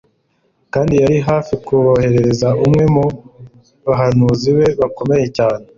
kandi yari hafi kuboherereza umwe mu bahanuzi be bakomeye cyane